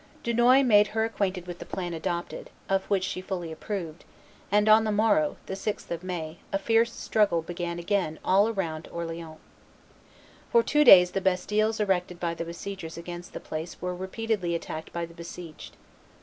Dunois made her acquainted with the plan adopted, of which she fully approved; and on the morrow, the 6th of May, a fierce struggle began again all round Orleans. For two days the bastilles erected by the besiegers against the place were repeatedly attacked by the besieged.